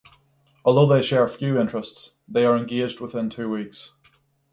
Although they share few interests, they are engaged within two weeks.